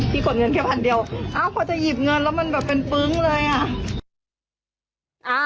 กดเงินแค่พันเดียวพอจะหยิบเงินแล้วมันแบบเป็นปึ๊งเลยอ่ะ